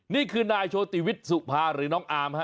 นี่คือนายโชติวิทย์สุภาหรือน้องอามฮะ